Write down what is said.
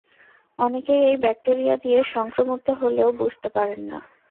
অনেকেই এই ব্যাকটেরিয়া দিয়ে সংক্রমিত হলেও বুঝতে পারেন না।